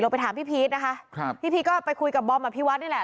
ไปถามพี่พีชนะคะครับพี่พีชก็ไปคุยกับบอมอภิวัตนี่แหละ